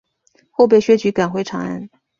后被薛举赶回长安。